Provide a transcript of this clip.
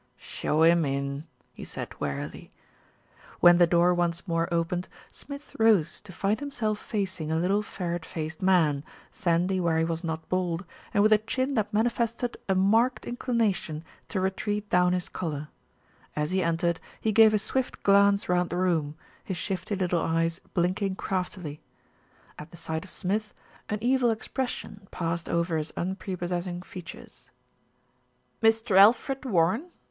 "Show him in," he said wearily. When the door once more opened, Smith rose to find himself facing a little, ferret faced man, sandy where he was not bald, and with a chin that manifested a marked inclination to retreat down his collar. As he entered, he gave a swift glance round the room, his shifty little eyes blinking craftily. At the 241 242 THE RETURN OF ALFRED ;sight of Smith, an evil expression passed over his un prepossessing features. "Mr. Alfred Warren?"